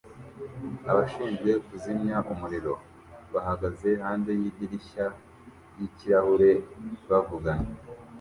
Abashinzwe kuzimya umuriro bahagaze hanze yidirishya ryikirahure bavugana